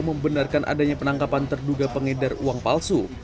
membenarkan adanya penangkapan terduga pengedar uang palsu